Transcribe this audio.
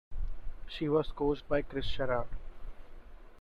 She was coached by Kris Sherard.